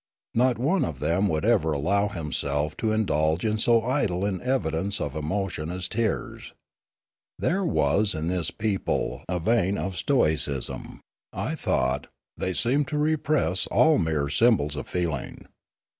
Not one of them would ever allow himself to indulge in so idle an evidence of emotion as tears. There was in this people a vein of stoicism, I thought; they seemed to repress all mere symbols of feeling.